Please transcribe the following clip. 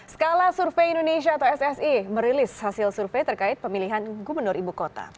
skala survei indonesia atau ssi merilis hasil survei terkait pemilihan gubernur ibu kota